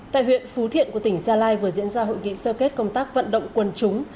tại huyện phú thiện của tỉnh gia lai vừa diễn ra hội nghị sơ kết công tác vận động quân chúng